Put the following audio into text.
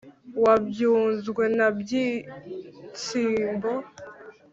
wa byunzwe na byintsibo,